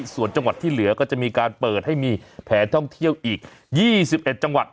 ส่วนจังหวัดที่เหลือก็จะมีการเปิดให้มีแผนท่องเที่ยวอีก๒๑จังหวัด